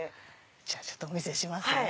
ちょっとお見せしますね。